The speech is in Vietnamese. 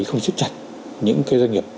không siết chặt những cái doanh nghiệp